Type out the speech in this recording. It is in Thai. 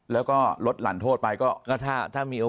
แล้วก็ลดหลั่นโทษไปก็